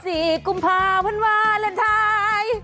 สี่กุมภาพันวาเลนทาย